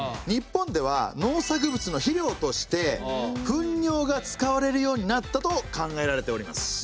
日本では農作物の肥料として糞尿が使われるようになったと考えられております。